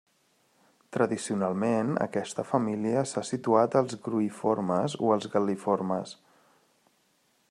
Tradicionalment aquesta família s'ha situat als gruïformes o als gal·liformes.